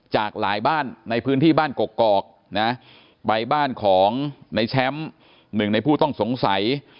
จากหลายบ้านในพื้นที่บ้านกกอกนะไปบ้านของในแชมป์หนึ่งในผู้ต้องสงสัย